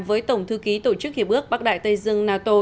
với tổng thư ký tổ chức hiệp ước bắc đại tây dương nato